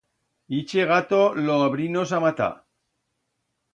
Ixe gato lo habrinos a matar.